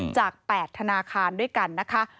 จาก๘ธนาคารด้วยกันนะคะ